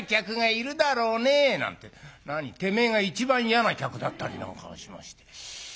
何てめえが一番嫌な客だったりなんかしまして。